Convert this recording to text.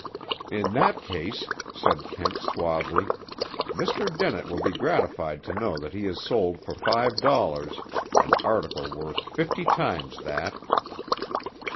"In that case," said Kent suavely, "Mr. Dennett will be gratified to know that he has sold for five dollars an article worth fifty times that."